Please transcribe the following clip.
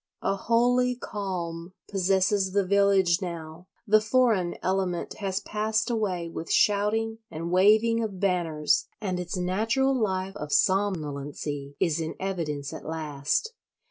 A holy calm possesses the village now; the foreign element has passed away with shouting and waving of banners, and its natural life of somnolency is in evidence at last.